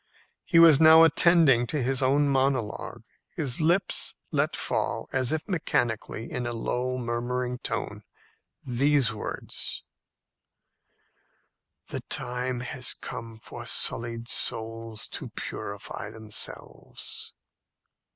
He was now attending to his own monologue. His lips let fall, as if mechanically, in a low murmuring tone, these words, "The time has come for sullied souls to purify themselves."